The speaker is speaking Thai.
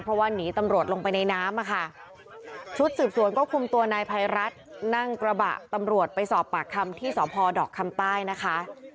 เพราะว่าหนีตำรวจลงไปในน้ำอ่ะค่ะชุดสืบสวนก็คุมตัวนายภัยรัฐนั่งกระบะตำรวจไปสอบปากคำที่สพดอกคำใต้นะคะ